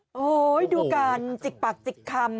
โอ้โหดูการจิกปากจิกคำ